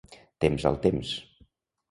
Temps al temps.